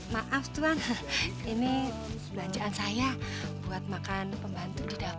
maaf tuhan ini belanjaan saya buat makan pembantu di dalam